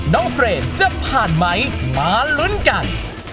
น้องเฟรดจะผ่านไหมมารุ้นกัน